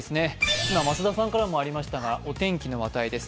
今、増田さんからもありましたがお天気の話題です。